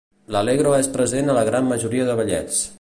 L'allegro és present a la gran majoria de ballets.